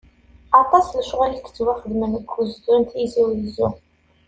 Aṭas n lecɣal yettwaxedmen deg ugezdu n Tizi Uzzu.